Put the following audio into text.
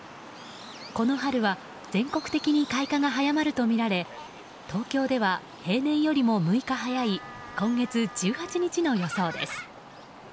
この春は全国的に開花が早まるとみられ東京では平年よりも６日早い今月１８日の予想です。